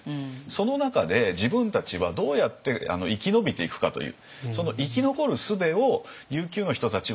その中で自分たちはどうやって生き延びていくかという。